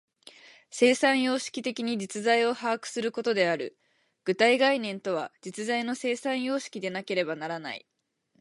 生産様式的に実在を把握することである。具体概念とは、実在の生産様式でなければならない。